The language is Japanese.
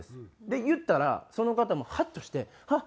で言ったらその方もハッとしてあっ！